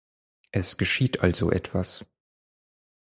Es geschieht also etwas.